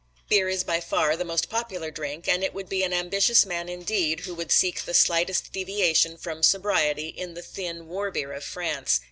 Beer is by far the most popular drink and it would be an ambitious man indeed who would seek the slightest deviation from sobriety in the thin war beer of France.